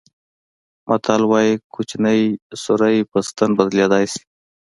متل وایي کوچنی سوری په ستن بندېدلای شي.